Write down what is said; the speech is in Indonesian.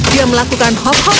dia melakukan hop hop kompetitif